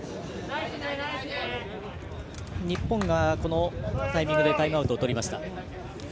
日本が、このタイミングでタイムアウトを取りました。